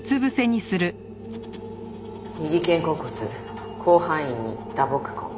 右肩甲骨広範囲に打撲痕。